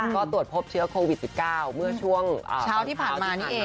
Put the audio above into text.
ก็ตรวจพบเชื้อโควิด๑๙เมื่อช่วงเช้าที่ผ่านมานี่เอง